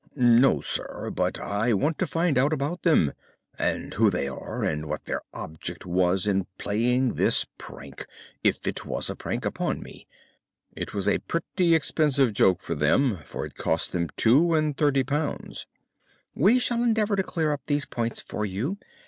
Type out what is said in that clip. "No, sir. But I want to find out about them, and who they are, and what their object was in playing this prank—if it was a prank—upon me. It was a pretty expensive joke for them, for it cost them two and thirty pounds." "We shall endeavour to clear up these points for you.